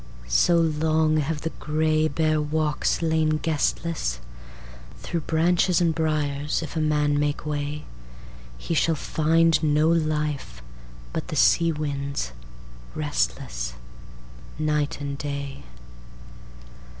So long have the gray, bare walks lain guestless, Through branches and briers if a man make way, He shall find no life but the sea wind's, restlessNight and day.